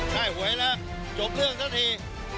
ให้หวยแล้วจบเรื่องสักที